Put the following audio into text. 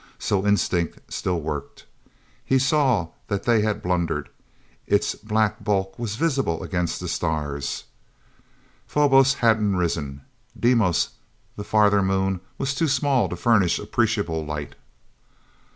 So instinct still worked. He saw that they had blundered its black bulk was visible against the stars. Phobos hadn't risen; Deimos, the farther moon, was too small to furnish appreciable light.